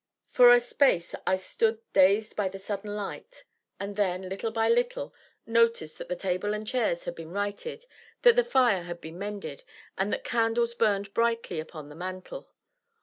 For a space I stood dazed by the sudden light, and then, little by little, noticed that the table and chairs had been righted, that the fire had been mended, and that candles burned brightly upon the mantel.